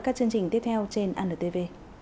các chương trình tiếp theo trên anntv